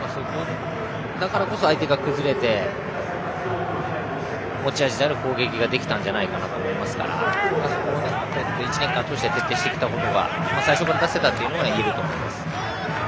だからこそ、相手が崩れて持ち味である攻撃ができたんじゃないかなと思いますから１年間通して徹底してきたことが最初から出せたといえると思います。